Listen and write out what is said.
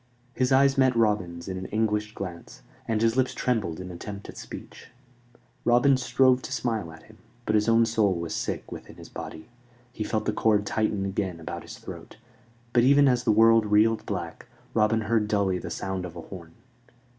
His eyes met Robin's in an anguished glance, and his lips trembled in attempt at speech. Robin strove to smile at him; but his own soul was sick within his body. He felt the cord tighten again about his throat, but even as the world reeled black, Robin heard dully the sound of a horn.